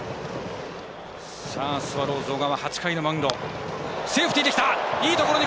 スワローズ、小川８回のマウンド。